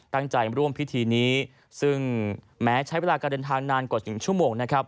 ตั้งใจร่วมพิธีนี้ซึ่งแม้ใช้เวลาการเดินทางนานกว่า๑ชั่วโมงนะครับ